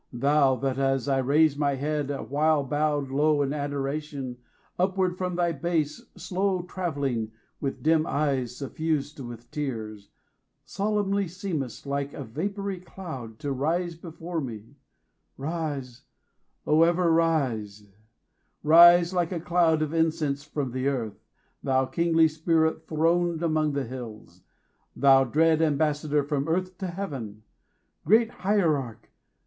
thou That as I raise my head, awhile bowed low 75 In adoration, upward from thy base Slow travelling with dim eyes suffused with tears, Solemnly seemest, like a vapoury cloud, To rise before me Rise, O ever rise, Rise like a cloud of incense from the Earth! 80 Thou kingly Spirit throned among the hills, Thou dread ambassador from Earth to Heaven, Great Hierarch!